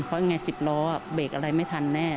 เพราะยังไง๑๐ล้อเบรกอะไรไม่ทันแน่